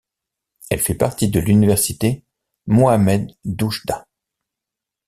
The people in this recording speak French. Elle fait partie de l'Université Mohammed d'Oujda.